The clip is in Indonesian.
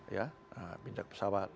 ya pindah pesawat